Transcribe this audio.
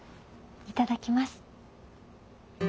いただきます。